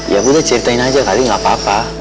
ya gue udah ceritain aja kali gak apa apa